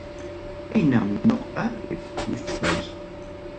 Chaynam ñuqa ripukuspay.